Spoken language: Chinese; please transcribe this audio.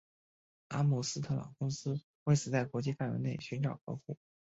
阿姆斯特朗公司为此在国际范围内寻找客户。